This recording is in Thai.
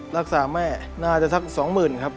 รักษาแม่น่าจะซักสองหมื่นครับ